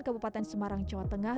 kabupaten semarang jawa tengah